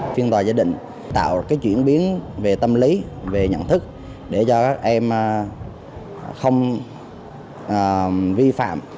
phiên tòa gia định tạo chuyển biến về tâm lý về nhận thức để cho các em không vi phạm